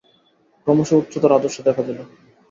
ক্রমশ উচ্চতর আদর্শ দেখা দিল।